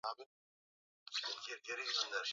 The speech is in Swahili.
wenyeji wa mkutano huo rais wa nigeria goodluck jonathan